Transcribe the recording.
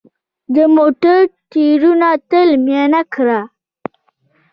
د موټر ټایرونه تل معاینه کړه.